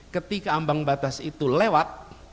ketika ambang batas itu lewat